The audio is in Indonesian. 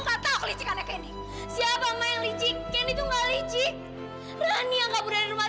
nggak tahu kelicikannya kenny siapa yang licik itu enggak licik rani yang kabur dari rumah